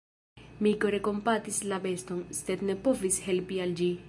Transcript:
Mi kore kompatis la beston, sed ne povis helpi al ĝi.